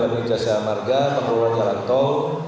saya beri jasa amarga pengelola jalan tol